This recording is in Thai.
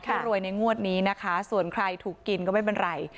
ถ้ารวยในงวดนี้นะคะส่วนใครถูกกินก็ไม่เป็นไร